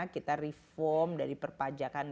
kita reform dari perpajakan